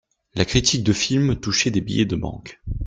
La critique de films touchait des billets de banque.